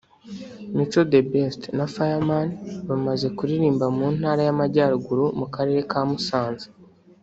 Mico The Best na Fireman bamaze kuririmbira mu Ntara y’Amajyaruguru mu Karere ka Musanze